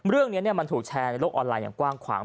เรื่องนี้มันถูกแชร์ในโลกออนไลน์อย่างกว้างขวาง